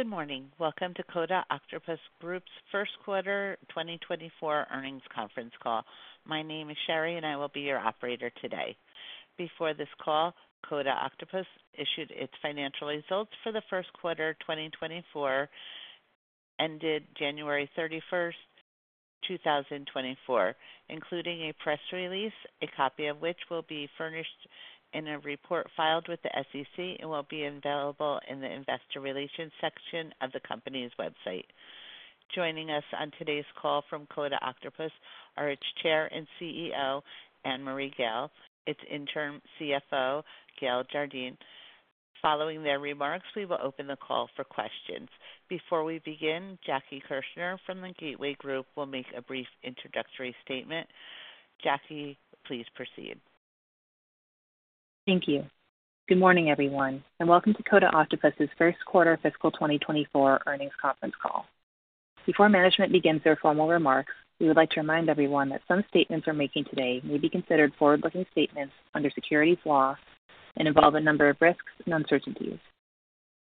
Good morning. Welcome to Coda Octopus Group's first quarter 2024 earnings conference call. My name is Sherry, and I will be your operator today. Before this call, Coda Octopus issued its financial results for the first quarter 2024, ended January 31st, 2024, including a press release, a copy of which will be furnished in a report filed with the SEC and will be available in the investor relations section of the company's website. Joining us on today's call from Coda Octopus are its Chair and CEO, Annmarie Gayle, its interim CFO, Gayle Jardine. Following their remarks, we will open the call for questions. Before we begin, Jackie Keshner from the Gateway Group will make a brief introductory statement. Jackie, please proceed. Thank you. Good morning, everyone, and welcome to Coda Octopus's first quarter fiscal 2024 earnings conference call. Before management begins their formal remarks, we would like to remind everyone that some statements we're making today may be considered forward-looking statements under securities law and involve a number of risks and uncertainties.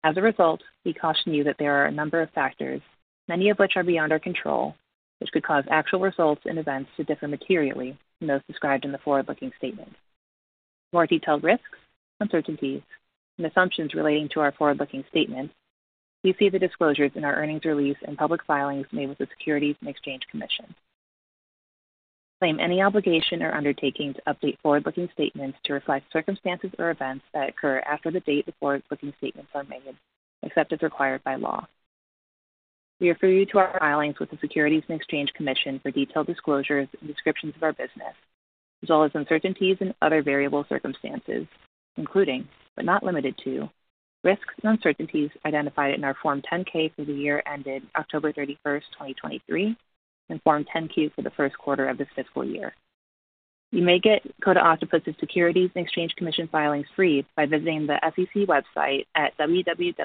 As a result, we caution you that there are a number of factors, many of which are beyond our control, which could cause actual results and events to differ materially from those described in the forward-looking statement. For more detailed risks, uncertainties, and assumptions relating to our forward-looking statement, please see the disclosures in our earnings release and public filings made with the Securities and Exchange Commission. We disclaim any obligation or undertaking to update forward-looking statements to reflect circumstances or events that occur after the date the forward-looking statements are made, except as required by law. We refer you to our filings with the Securities and Exchange Commission for detailed disclosures and descriptions of our business, as well as uncertainties and other variable circumstances, including, but not limited to, risks and uncertainties identified in our Form 10-K for the year ended October 31st, 2023, and Form 10-Q for the first quarter of this fiscal year. You may get Coda Octopus's Securities and Exchange Commission filings free by visiting the SEC website at www.sec.gov.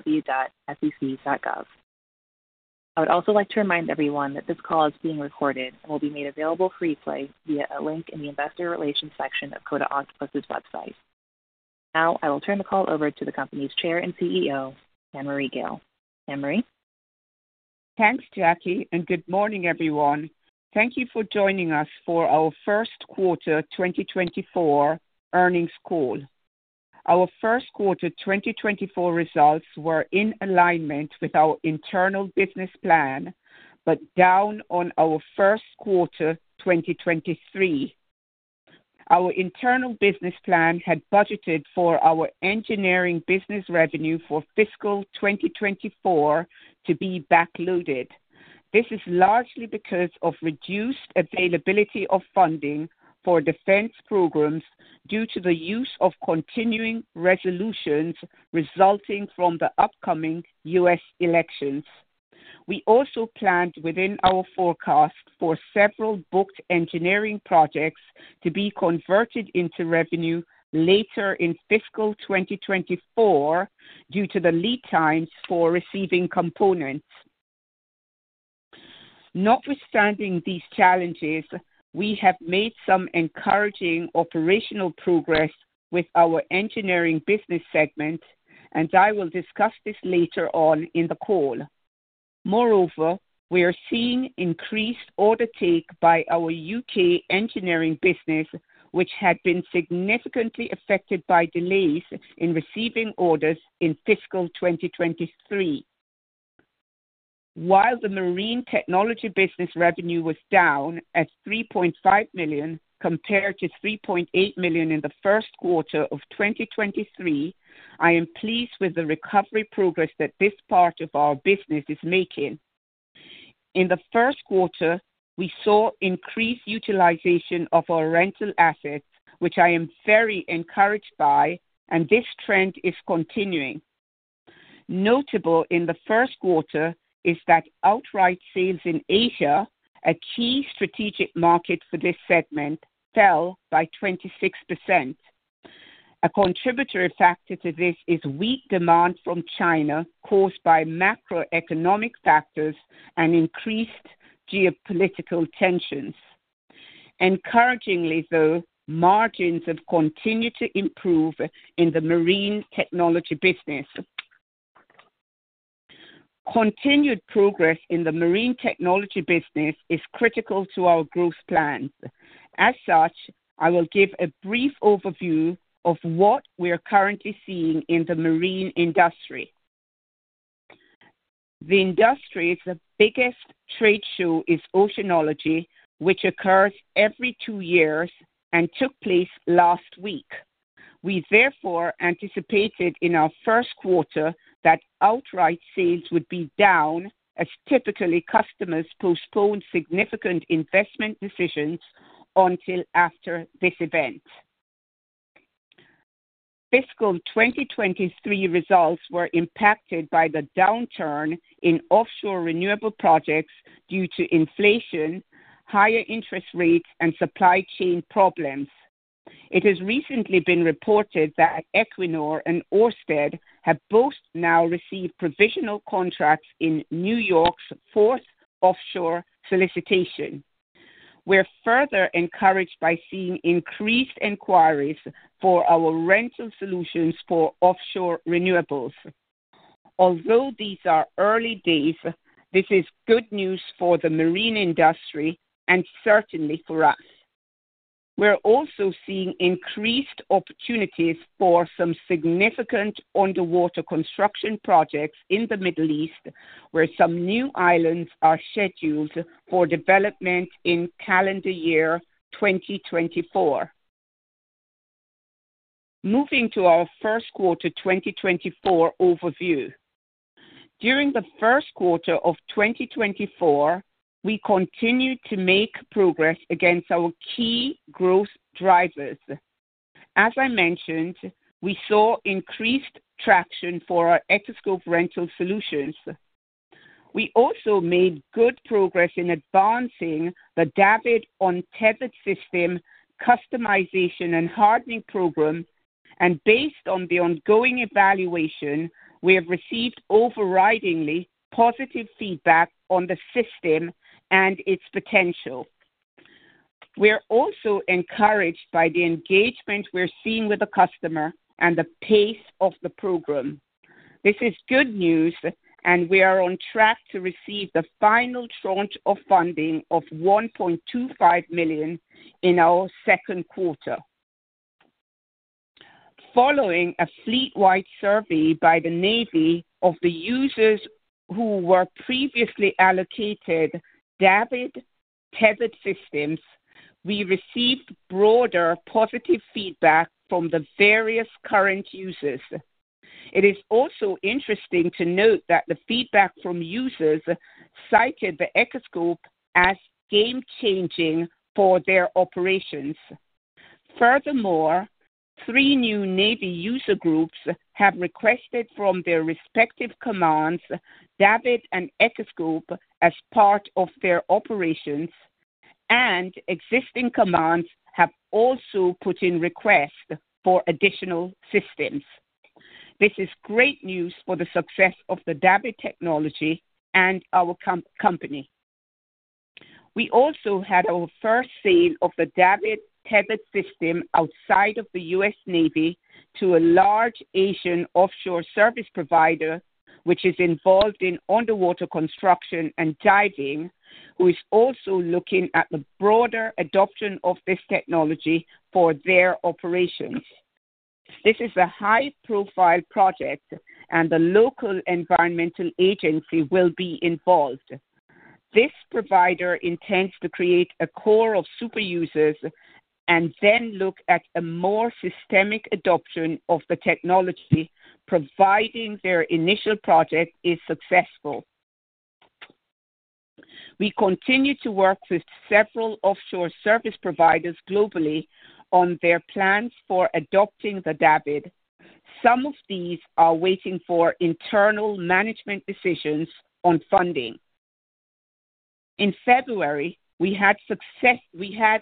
I would also like to remind everyone that this call is being recorded and will be made available for replay via a link in the investor relations section of Coda Octopus's website. Now I will turn the call over to the company's Chair and CEO, Annmarie Gayle. Annmarie? Thanks, Jackie, and good morning, everyone. Thank you for joining us for our first quarter 2024 earnings call. Our first quarter 2024 results were in alignment with our internal business plan but down on our first quarter 2023. Our internal business plan had budgeted for our engineering business revenue for fiscal 2024 to be backloaded. This is largely because of reduced availability of funding for defense programs due to the use of continuing resolutions resulting from the upcoming U.S. elections. We also planned within our forecast for several booked engineering projects to be converted into revenue later in fiscal 2024 due to the lead times for receiving components. Notwithstanding these challenges, we have made some encouraging operational progress with our engineering business segment, and I will discuss this later on in the call. Moreover, we are seeing increased order take by our U.K. engineering business, which had been significantly affected by delays in receiving orders in fiscal 2023. While the marine technology business revenue was down at $3.5 million compared to $3.8 million in the first quarter of 2023, I am pleased with the recovery progress that this part of our business is making. In the first quarter, we saw increased utilization of our rental assets, which I am very encouraged by, and this trend is continuing. Notable in the first quarter is that outright sales in Asia, a key strategic market for this segment, fell by 26%. A contributory factor to this is weak demand from China caused by macroeconomic factors and increased geopolitical tensions. Encouragingly, though, margins have continued to improve in the marine technology business. Continued progress in the marine technology business is critical to our growth plans. As such, I will give a brief overview of what we are currently seeing in the marine industry. The industry's biggest trade show is Oceanology, which occurs every two years and took place last week. We therefore anticipated in our first quarter that outright sales would be down, as typically customers postpone significant investment decisions until after this event. Fiscal 2023 results were impacted by the downturn in offshore renewable projects due to inflation, higher interest rates, and supply chain problems. It has recently been reported that Equinor and Ørsted have both now received provisional contracts in New York's fourth offshore solicitation. We're further encouraged by seeing increased inquiries for our rental solutions for offshore renewables. Although these are early days, this is good news for the marine industry and certainly for us. We're also seeing increased opportunities for some significant underwater construction projects in the Middle East, where some new islands are scheduled for development in calendar year 2024. Moving to our first quarter 2024 overview. During the first quarter of 2024, we continued to make progress against our key growth drivers. As I mentioned, we saw increased traction for our Echoscope rental solutions. We also made good progress in advancing the DAVD untethered system customization and hardening program, and based on the ongoing evaluation, we have received overridingly positive feedback on the system and its potential. We're also encouraged by the engagement we're seeing with the customer and the pace of the program. This is good news, and we are on track to receive the final tranche of funding of $1.25 million in our second quarter. Following a fleet-wide survey by the Navy of the users who were previously allocated DAVD tethered systems, we received broader positive feedback from the various current users. It is also interesting to note that the feedback from users cited the Echoscope as game-changing for their operations. Furthermore, three new Navy user groups have requested from their respective commands DAVD and Echoscope as part of their operations, and existing commands have also put in requests for additional systems. This is great news for the success of the DAVD technology and our company. We also had our first sale of the DAVD tethered system outside of the U.S. Navy to a large Asian offshore service provider, which is involved in underwater construction and diving, who is also looking at the broader adoption of this technology for their operations. This is a high-profile project, and the local environmental agency will be involved. This provider intends to create a core of superusers and then look at a more systemic adoption of the technology providing their initial project is successful. We continue to work with several offshore service providers globally on their plans for adopting the DAVD. Some of these are waiting for internal management decisions on funding. In February, we had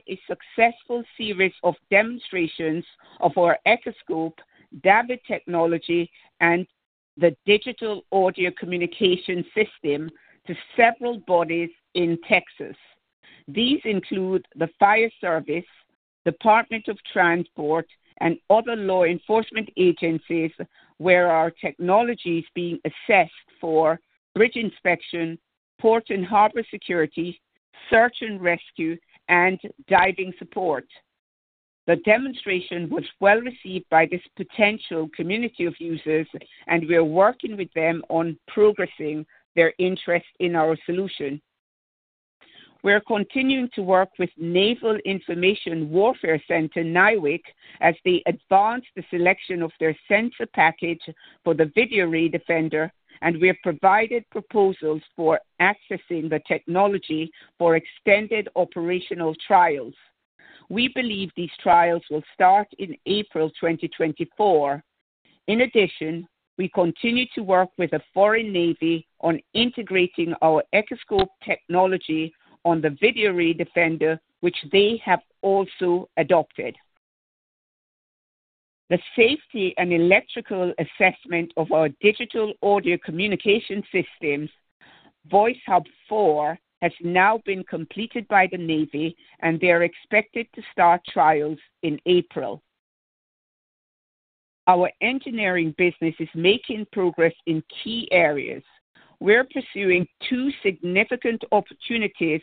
a successful series of demonstrations of our Echoscope DAVD technology and the digital audio communication system to several bodies in Texas. These include the fire service, Department of Transport, and other law enforcement agencies where our technology is being assessed for bridge inspection, port and harbor security, search and rescue, and diving support. The demonstration was well received by this potential community of users, and we are working with them on progressing their interest in our solution. We are continuing to work with Naval Information Warfare Center (NIWC) as they advance the selection of their sensor package for the VideoRay Defender, and we have provided proposals for accessing the technology for extended operational trials. We believe these trials will start in April 2024. In addition, we continue to work with the foreign Navy on integrating our Echoscope technology on the VideoRay Defender, which they have also adopted. The safety and electrical assessment of our digital audio communication systems, Voice HUB-4, has now been completed by the Navy, and they are expected to start trials in April. Our engineering business is making progress in key areas. We're pursuing two significant opportunities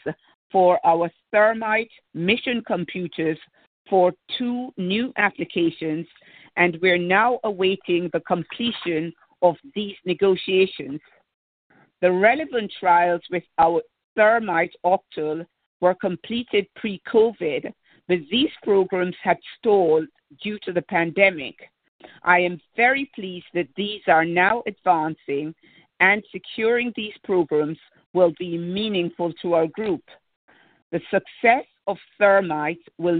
for our Thermite Mission Computers for two new applications, and we're now awaiting the completion of these negotiations. The relevant trials with our Thermite Octal were completed pre-COVID, but these programs had stalled due to the pandemic. I am very pleased that these are now advancing, and securing these programs will be meaningful to our group. The success of Thermite will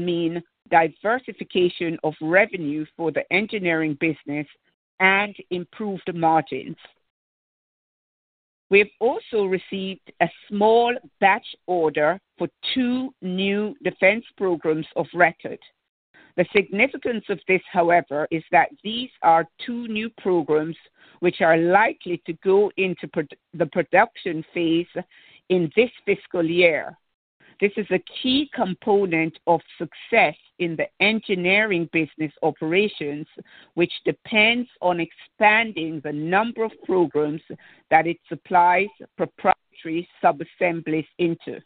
mean diversification of revenue for the engineering business and improved margins. We have also received a small batch order for two new defense programs of record. The significance of this, however, is that these are two new programs which are likely to go into the production phase in this fiscal year. This is a key component of success in the engineering business operations, which depends on expanding the number of programs that it supplies proprietary subassemblies into.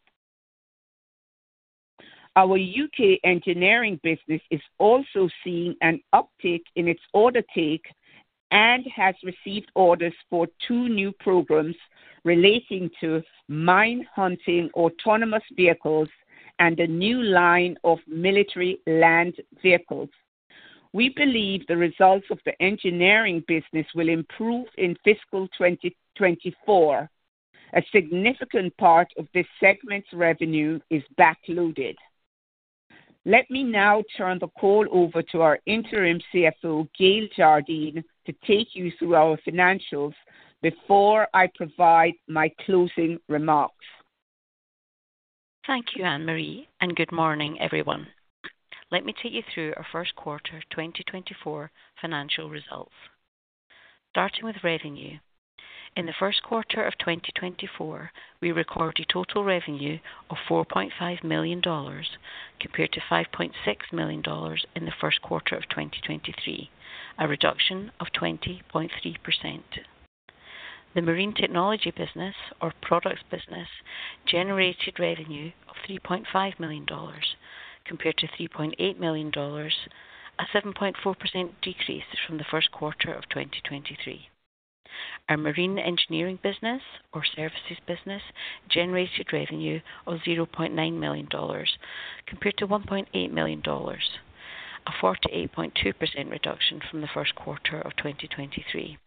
Our U.K. engineering business is also seeing an uptick in its order take and has received orders for two new programs relating to mine-hunting autonomous vehicles and a new line of military land vehicles. We believe the results of the engineering business will improve in fiscal 2024. A significant part of this segment's revenue is backloaded. Let me now turn the call over to our Interim CFO, Gayle Jardine, to take you through our financials before I provide my closing remarks. Thank you, Annmarie, and good morning, everyone. Let me take you through our first quarter 2024 financial results. Starting with revenue. In the first quarter of 2024, we recorded total revenue of $4.5 million compared to $5.6 million in the first quarter of 2023, a reduction of 20.3%. The marine technology business, or products business, generated revenue of $3.5 million compared to $3.8 million, a 7.4% decrease from the first quarter of 2023. Our marine engineering business, or services business, generated revenue of $0.9 million compared to $1.8 million, a 48.2% reduction from the first quarter of 2023.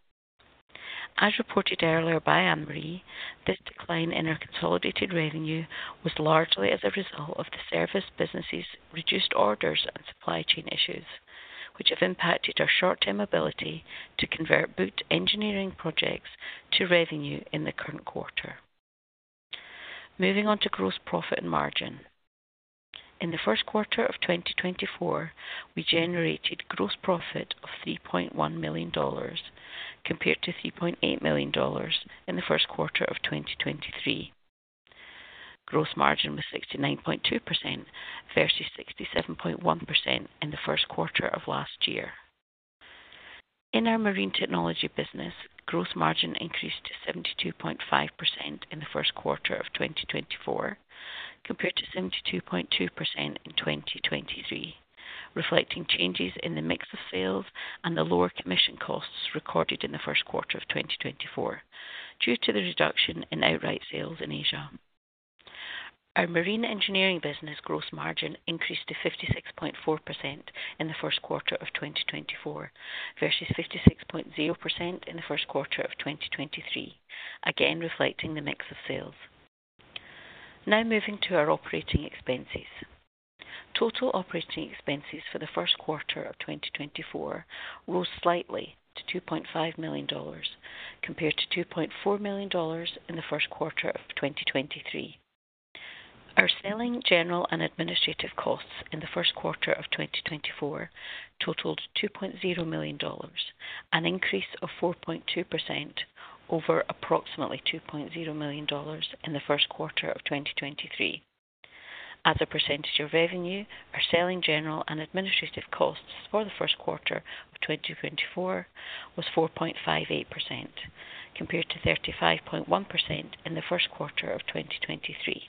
As reported earlier by Annmarie, this decline in our consolidated revenue was largely as a result of the service business's reduced orders and supply chain issues, which have impacted our short-term ability to convert both engineering projects to revenue in the current quarter. Moving on to gross profit and margin. In the first quarter of 2024, we generated gross profit of $3.1 million compared to $3.8 million in the first quarter of 2023. Gross margin was 69.2% versus 67.1% in the first quarter of last year. In our marine technology business, gross margin increased to 72.5% in the first quarter of 2024 compared to 72.2% in 2023, reflecting changes in the mix of sales and the lower commission costs recorded in the first quarter of 2024 due to the reduction in outright sales in Asia. Our marine engineering business gross margin increased to 56.4% in the first quarter of 2024 versus 56.0% in the first quarter of 2023, again reflecting the mix of sales. Now moving to our operating expenses. Total operating expenses for the first quarter of 2024 rose slightly to $2.5 million compared to $2.4 million in the first quarter of 2023. Our selling general and administrative costs in the first quarter of 2024 totaled $2.0 million, an increase of 4.2% over approximately $2.0 million in the first quarter of 2023. As a percentage of revenue, our selling general and administrative costs for the first quarter of 2024 was 4.58% compared to 35.1% in the first quarter of 2023.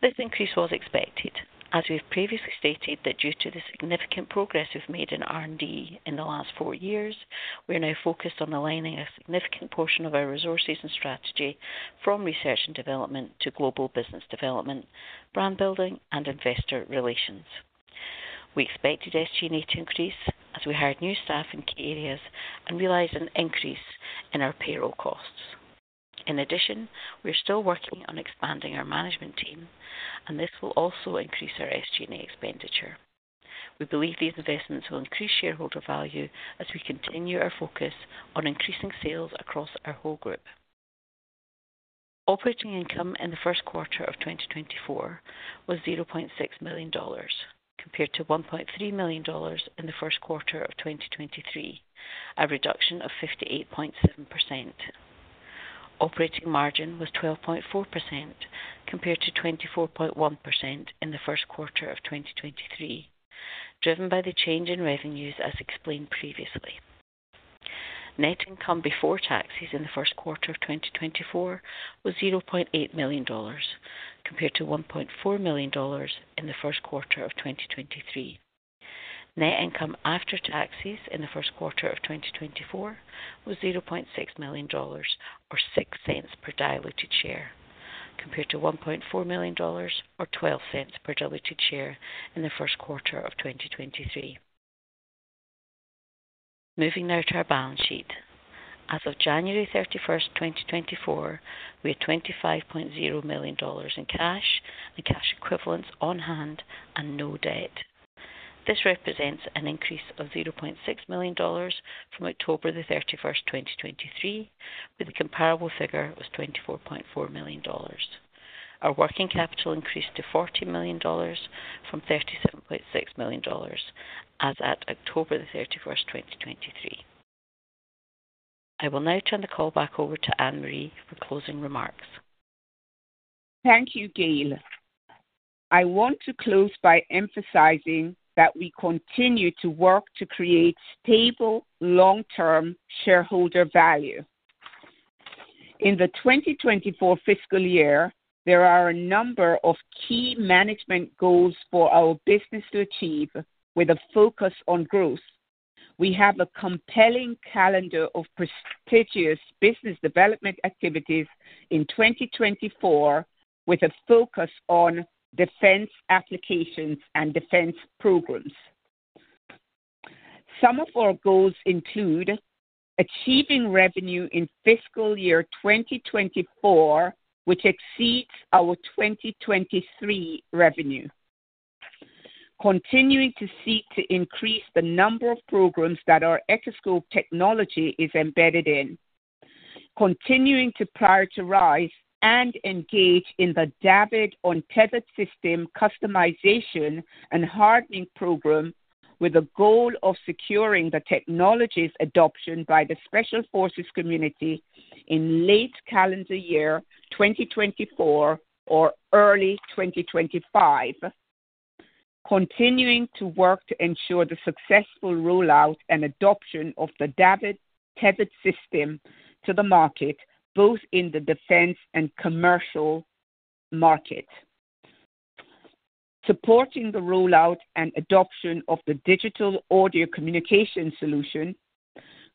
This increase was expected, as we have previously stated that due to the significant progress we've made in R&D in the last four years, we are now focused on aligning a significant portion of our resources and strategy from research and development to global business development, brand building, and investor relations. We expected SG&A to increase as we hired new staff in key areas and realized an increase in our payroll costs. In addition, we are still working on expanding our management team, and this will also increase our SG&A expenditure. We believe these investments will increase shareholder value as we continue our focus on increasing sales across our whole group. Operating income in the first quarter of 2024 was $0.6 million compared to $1.3 million in the first quarter of 2023, a reduction of 58.7%. Operating margin was 12.4% compared to 24.1% in the first quarter of 2023, driven by the change in revenues as explained previously. Net income before taxes in the first quarter of 2024 was $0.8 million compared to $1.4 million in the first quarter of 2023. Net income after taxes in the first quarter of 2024 was $0.6 million, or $0.6 per diluted share, compared to $1.4 million, or $0.12 per diluted share in the first quarter of 2023. Moving now to our balance sheet. As of January 31st, 2024, we had $25.0 million in cash and cash equivalents on hand and no debt. This represents an increase of $0.6 million from October 31st, 2023, where the comparable figure was $24.4 million. Our working capital increased to $40 million from $37.6 million as at October 31st, 2023. I will now turn the call back over to Annmarie for closing remarks. Thank you, Gayle. I want to close by emphasizing that we continue to work to create stable, long-term shareholder value. In the 2024 fiscal year, there are a number of key management goals for our business to achieve with a focus on growth. We have a compelling calendar of prestigious business development activities in 2024 with a focus on defense applications and defense programs. Some of our goals include achieving revenue in fiscal year 2024 which exceeds our 2023 revenue, continuing to seek to increase the number of programs that our Echoscope technology is embedded in, continuing to prioritize and engage in the DAVD untethered system customization and hardening program with a goal of securing the technology's adoption by the special forces community in late calendar year 2024 or early 2025, continuing to work to ensure the successful rollout and adoption of the DAVD tethered system to the market both in the defense and commercial market, supporting the rollout and adoption of the digital audio communication solution,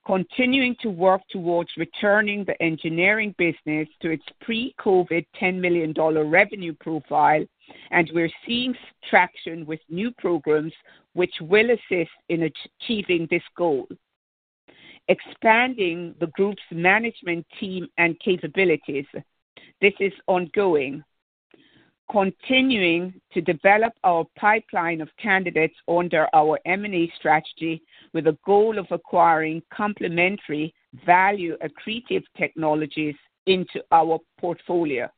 continuing to work towards returning the engineering business to its pre-COVID $10 million revenue profile, and we're seeing traction with new programs which will assist in achieving this goal. Expanding the group's management team and capabilities. This is ongoing. Continuing to develop our pipeline of candidates under our M&A strategy with a goal of acquiring complementary value accretive technologies into our portfolio.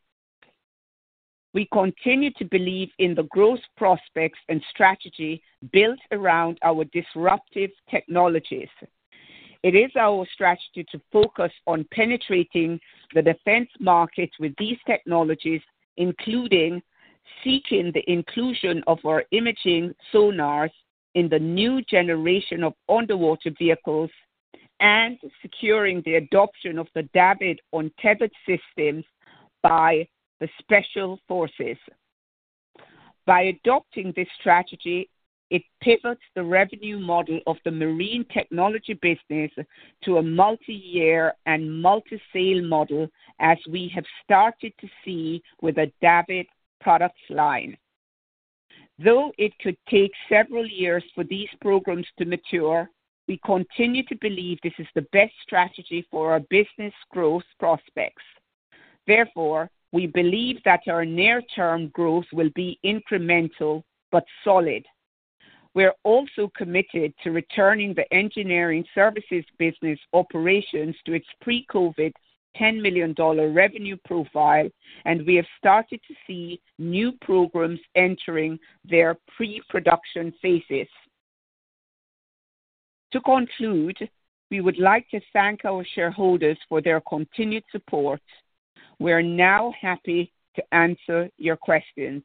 We continue to believe in the growth prospects and strategy built around our disruptive technologies. It is our strategy to focus on penetrating the defense market with these technologies, including seeking the inclusion of our imaging sonars in the new generation of underwater vehicles and securing the adoption of the DAVD untethered systems by the special forces. By adopting this strategy, it pivots the revenue model of the marine technology business to a multi-year and multi-sale model as we have started to see with the DAVD products line. Though it could take several years for these programs to mature, we continue to believe this is the best strategy for our business growth prospects. Therefore, we believe that our near-term growth will be incremental but solid. We're also committed to returning the engineering services business operations to its pre-COVID $10 million revenue profile, and we have started to see new programs entering their pre-production phases. To conclude, we would like to thank our shareholders for their continued support. We are now happy to answer your questions.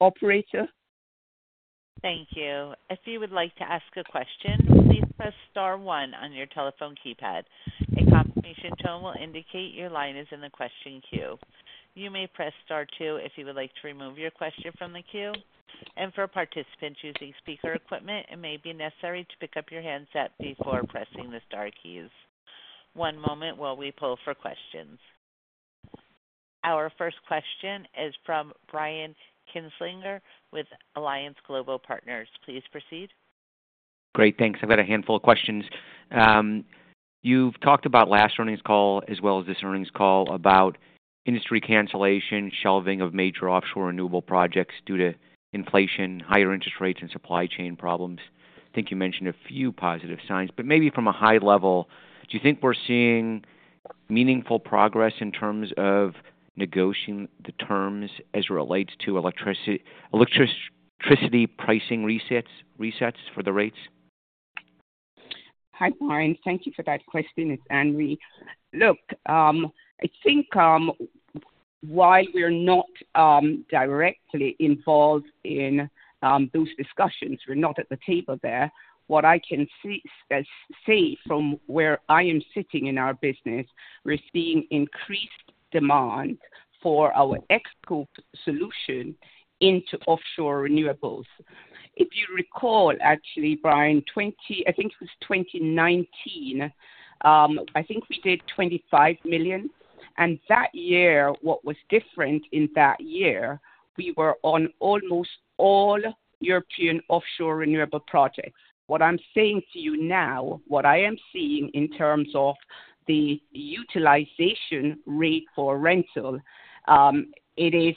Operator? Thank you. If you would like to ask a question, please press star one on your telephone keypad. A confirmation tone will indicate your line is in the question queue. You may press star two if you would like to remove your question from the queue. And for participants using speaker equipment, it may be necessary to pick up your handset before pressing the star keys. One moment while we pull for questions. Our first question is from Brian Kinstlinger with Alliance Global Partners. Please proceed. Great. Thanks. I've got a handful of questions. You've talked about last earnings call as well as this earnings call about industry cancellation, shelving of major offshore renewable projects due to inflation, higher interest rates, and supply chain problems. I think you mentioned a few positive signs. But maybe from a high level, do you think we're seeing meaningful progress in terms of negotiating the terms as it relates to electricity pricing resets for the rates? Hi, Brian. Thank you for that question. It's Annmarie. Look, I think while we're not directly involved in those discussions, we're not at the table there, what I can see from where I am sitting in our business, we're seeing increased demand for our Echoscope solution into offshore renewables. If you recall, actually, Brian, I think it was 2019. I think we did $25 million. And that year, what was different in that year, we were on almost all European offshore renewable projects. What I'm saying to you now, what I am seeing in terms of the utilization rate for rental, it is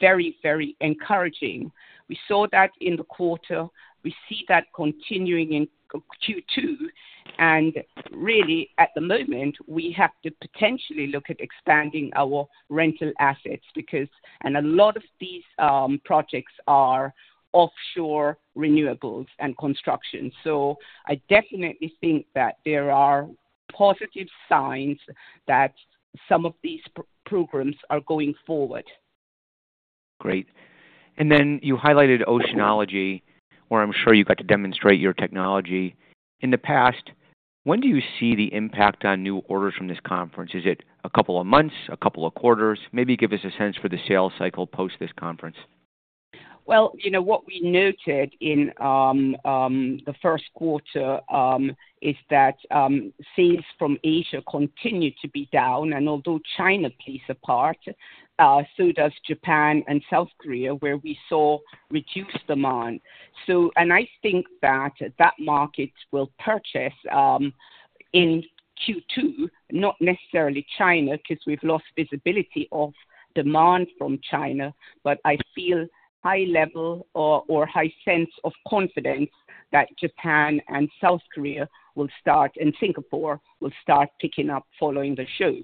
very, very encouraging. We saw that in the quarter. We see that continuing in Q2. And really, at the moment, we have to potentially look at expanding our rental assets because a lot of these projects are offshore renewables and construction. So I definitely think that there are positive signs that some of these programs are going forward. Great. And then you highlighted Oceanology, where I'm sure you got to demonstrate your technology. In the past, when do you see the impact on new orders from this conference? Is it a couple of months, a couple of quarters? Maybe give us a sense for the sales cycle post this conference. Well, what we noted in the first quarter is that sales from Asia continue to be down. Although China plays a part, so does Japan and South Korea, where we saw reduced demand. I think that that market will purchase in Q2, not necessarily China because we've lost visibility of demand from China, but I feel high level or high sense of confidence that Japan and South Korea will start and Singapore will start picking up following the show.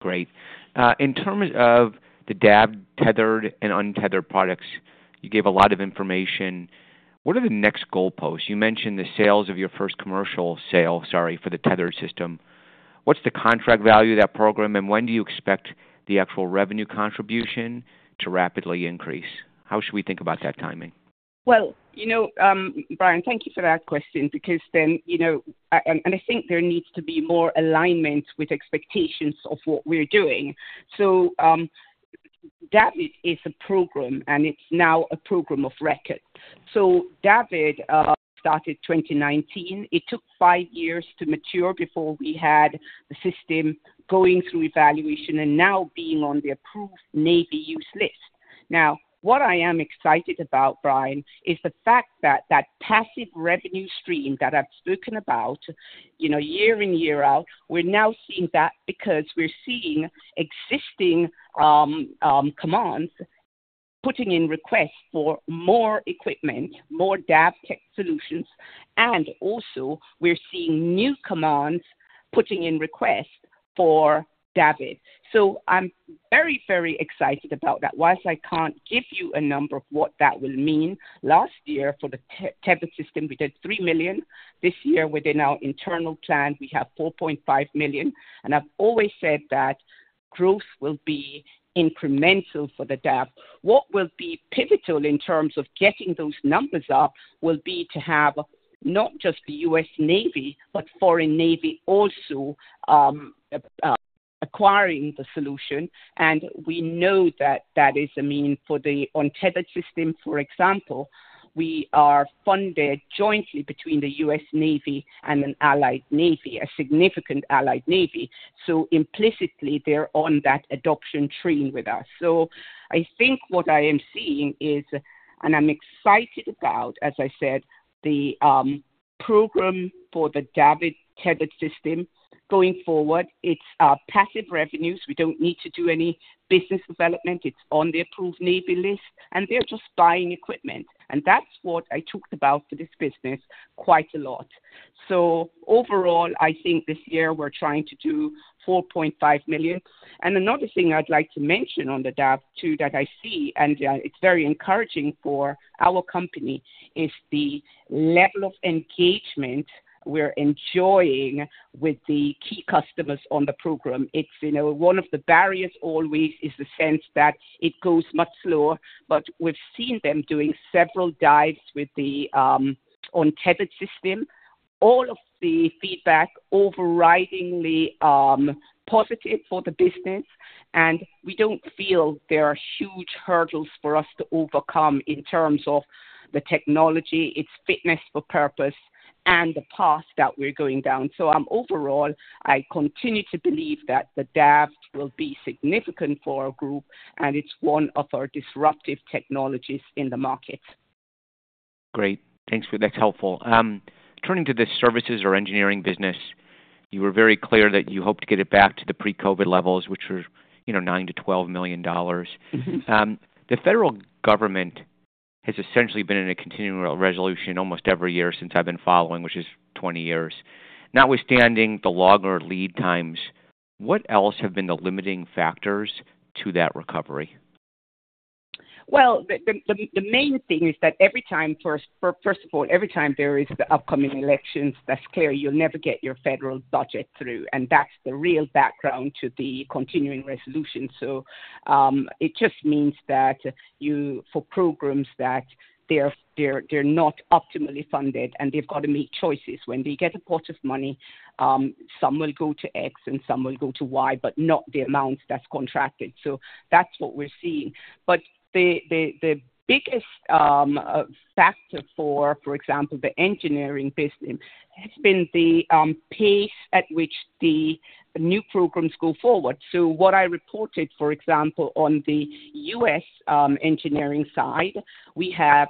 Great. In terms of the DAVD tethered and untethered products, you gave a lot of information. What are the next goalposts? You mentioned the sales of your first commercial sale, sorry, for the DAVD system. What's the contract value of that program, and when do you expect the actual revenue contribution to rapidly increase? How should we think about that timing? Well, Brian, thank you for that question because then and I think there needs to be more alignment with expectations of what we're doing. So DAVD is a program, and it's now a program of record. So DAVD started 2019. It took five years to mature before we had the system going through evaluation and now being on the approved Navy use list. Now, what I am excited about, Brian, is the fact that that passive revenue stream that I've spoken about year in, year out, we're now seeing that because we're seeing existing commands putting in requests for more equipment, more DAVD tethered solutions. And also, we're seeing new commands putting in requests for DAVD. So I'm very, very excited about that. While I can't give you a number of what that will mean, last year for the DAVD tethered system, we did $3 million. This year, within our internal plan, we have $4.5 million. I've always said that growth will be incremental for the DAVD. What will be pivotal in terms of getting those numbers up will be to have not just the U.S. Navy but foreign Navy also acquiring the solution. And we know that that is a mean for the Untethered system. For example, we are funded jointly between the U.S. Navy and an allied navy, a significant allied navy. So implicitly, they're on that adoption train with us. So I think what I am seeing is and I'm excited about, as I said, the program for the DAVD tethered system going forward. It's passive revenues. We don't need to do any business development. It's on the approved Navy list. And they're just buying equipment. And that's what I talked about for this business quite a lot. So overall, I think this year we're trying to do $4.5 million. And another thing I'd like to mention on the DAVD Untethered that I see, and it's very encouraging for our company, is the level of engagement we're enjoying with the key customers on the program. One of the barriers always is the sense that it goes much slower. But we've seen them doing several dives with the Untethered system, all of the feedback overridingly positive for the business. And we don't feel there are huge hurdles for us to overcome in terms of the technology, its fitness for purpose, and the path that we're going down. So overall, I continue to believe that the DAVD will be significant for our group, and it's one of our disruptive technologies in the market. Great. Thanks. That's helpful. Turning to this services or engineering business, you were very clear that you hoped to get it back to the pre-COVID levels, which were $9 million-$12 million. The federal government has essentially been in a continuing resolution almost every year since I've been following, which is 20 years, notwithstanding the longer lead times. What else have been the limiting factors to that recovery? Well, the main thing is that every time first of all, every time there is the upcoming elections, that's clear, you'll never get your federal budget through. And that's the real background to the continuing resolution. So it just means that for programs that they're not optimally funded and they've got to make choices, when they get a pot of money, some will go to X and some will go to Y but not the amounts that's contracted. So that's what we're seeing. But the biggest factor for, for example, the engineering business has been the pace at which the new programs go forward. So what I reported, for example, on the U.S. engineering side, we have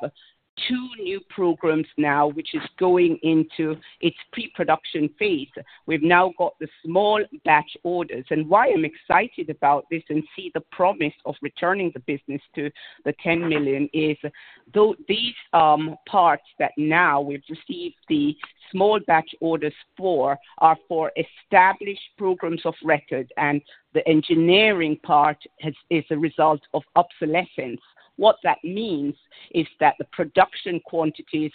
two new programs now which is going into its pre-production phase. We've now got the small batch orders. Why I'm excited about this and see the promise of returning the business to the $10 million is these parts that now we've received the small batch orders for are for established programs of record. The engineering part is a result of obsolescence. What that means is that the production quantity is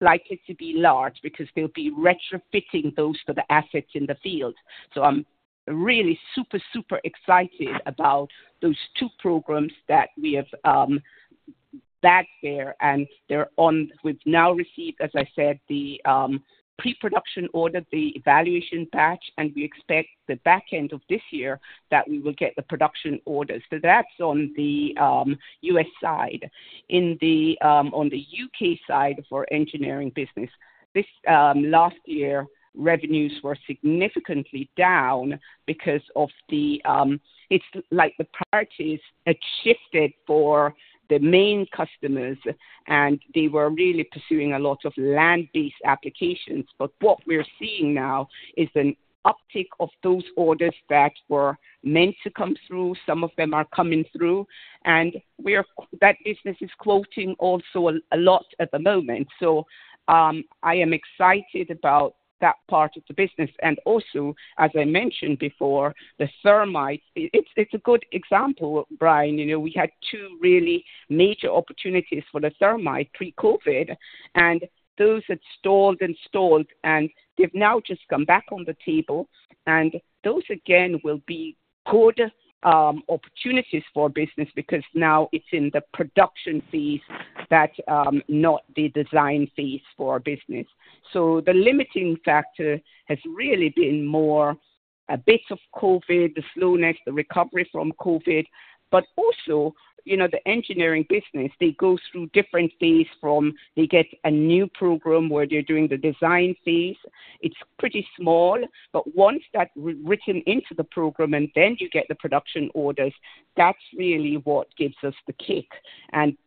likely to be large because they'll be retrofitting those for the assets in the field. So I'm really super, super excited about those two programs that we have bagged there. We've now received, as I said, the pre-production order, the evaluation batch. We expect the back end of this year that we will get the production orders. That's on the U.S. side. On the U.K. side of our engineering business, last year, revenues were significantly down because of the it's like the priorities had shifted for the main customers. And they were really pursuing a lot of land-based applications. But what we're seeing now is an uptick of those orders that were meant to come through. Some of them are coming through. And that business is quoting also a lot at the moment. So I am excited about that part of the business. And also, as I mentioned before, the Thermite it's a good example, Brian. We had two really major opportunities for the Thermite pre-COVID. And those had stalled and stalled. And they've now just come back on the table. And those, again, will be good opportunities for our business because now it's in the production phase that not the design phase for our business. So the limiting factor has really been more a bit of COVID, the slowness, the recovery from COVID. But also, the engineering business, they go through different phases from they get a new program where they're doing the design phase. It's pretty small. Once that's written into the program and then you get the production orders, that's really what gives us the kick.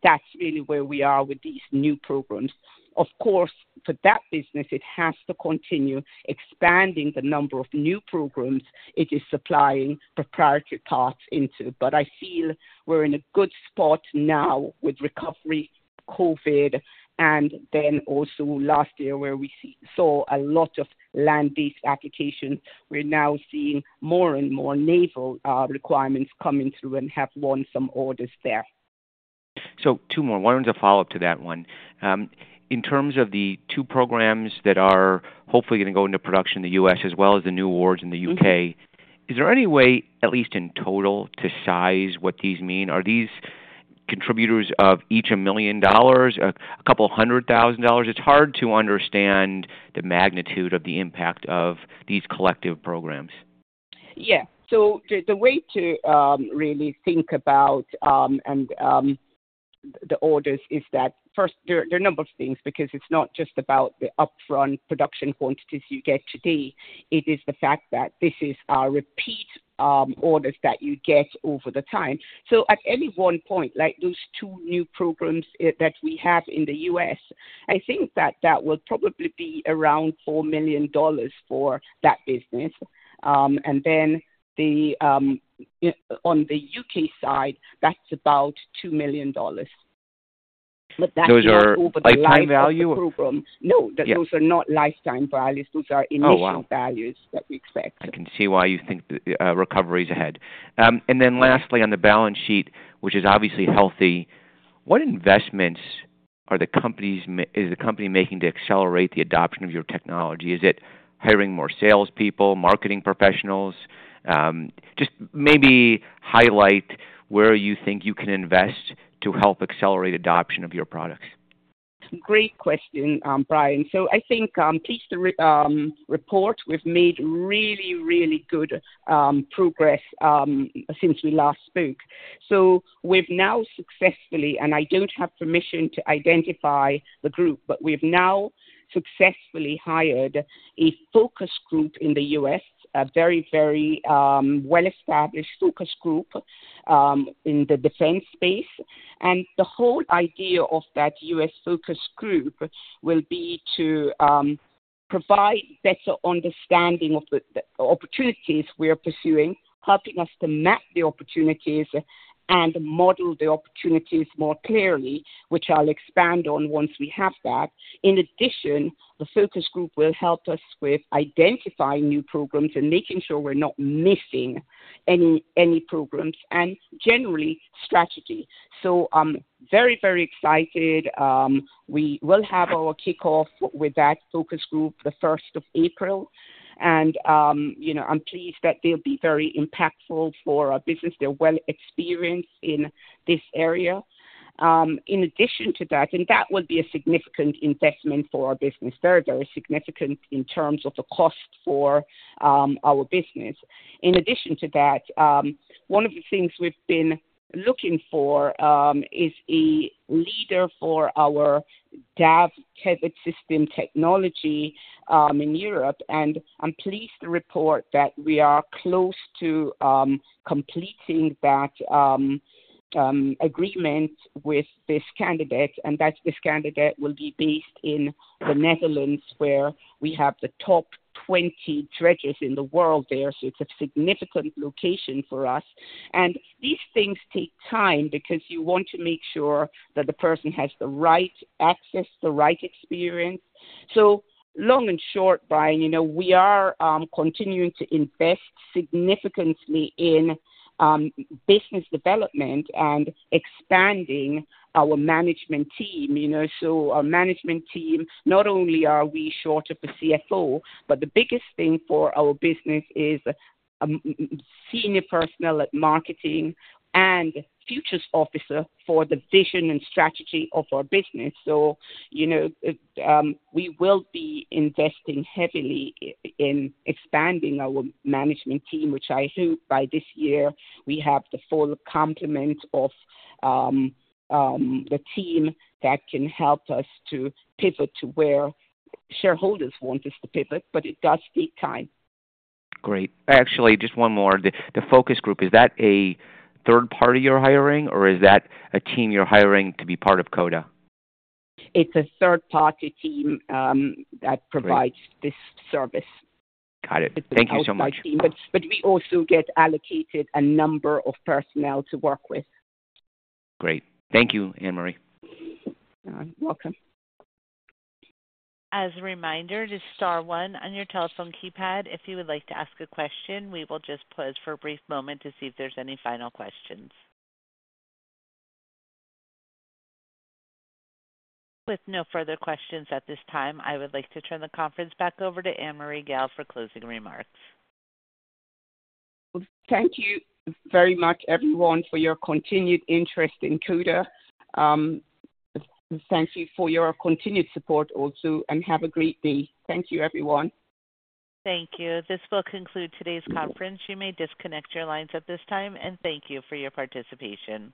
That's really where we are with these new programs. Of course, for that business, it has to continue expanding the number of new programs it is supplying proprietary parts into. I feel we're in a good spot now with recovery, COVID, and then also last year where we saw a lot of land-based applications, we're now seeing more and more naval requirements coming through and have won some orders there. So two more. One is a follow-up to that one. In terms of the two programs that are hopefully going to go into production in the U.S. as well as the new awards in the U.K., is there any way, at least in total, to size what these mean? Are these contributors of each $1 million, $200,000? It's hard to understand the magnitude of the impact of these collective programs. Yeah. So the way to really think about the orders is that first, there are a number of things because it's not just about the upfront production quantities you get today. It is the fact that this is our repeat orders that you get over the time. So at any one point, those two new programs that we have in the U.S., I think that that will probably be around $4 million for that business. And then on the U.K. side, that's about $2 million. But that's not over the lifetime value of the program. No, those are not lifetime values. Those are initial values that we expect. Oh, I see. I can see why you think recovery is ahead. And then lastly, on the balance sheet, which is obviously healthy, what investments is the company making to accelerate the adoption of your technology? Is it hiring more salespeople, marketing professionals? Just maybe highlight where you think you can invest to help accelerate adoption of your products? Great question, Brian. So I think please report. We've made really, really good progress since we last spoke. So we've now successfully and I don't have permission to identify the group, but we've now successfully hired a focus group in the U.S., a very, very well-established focus group in the defense space. And the whole idea of that U.S. focus group will be to provide better understanding of the opportunities we are pursuing, helping us to map the opportunities and model the opportunities more clearly, which I'll expand on once we have that. In addition, the focus group will help us with identifying new programs and making sure we're not missing any programs and generally strategy. So I'm very, very excited. We will have our kickoff with that focus group the 1st of April. And I'm pleased that they'll be very impactful for our business. They're well-experienced in this area. In addition to that, that will be a significant investment for our business, very, very significant in terms of the cost for our business. In addition to that, one of the things we've been looking for is a leader for our DAVD tethered system technology in Europe. I'm pleased to report that we are close to completing that agreement with this candidate. This candidate will be based in the Netherlands where we have the top 20 dredgers in the world there. So it's a significant location for us. These things take time because you want to make sure that the person has the right access, the right experience. So long and short, Brian, we are continuing to invest significantly in business development and expanding our management team. So our management team, not only are we short of a CFO, but the biggest thing for our business is a senior personnel at marketing and futures officer for the vision and strategy of our business. We will be investing heavily in expanding our management team, which I hope by this year, we have the full complement of the team that can help us to pivot to where shareholders want us to pivot. But it does take time. Great. Actually, just one more. The focus group, is that a third party you're hiring, or is that a team you're hiring to be part of Coda? It's a third-party team that provides this service. Got it. Thank you so much. It's part of my team. But we also get allocated a number of personnel to work with. Great. Thank you, Annmarie. You're welcome. As a reminder, just star one on your telephone keypad. If you would like to ask a question, we will just pause for a brief moment to see if there's any final questions. With no further questions at this time, I would like to turn the conference back over to Annmarie Gayle for closing remarks. Thank you very much, everyone, for your continued interest in Coda. Thank you for your continued support also. Have a great day. Thank you, everyone. Thank you. This will conclude today's conference. You may disconnect your lines at this time. Thank you for your participation.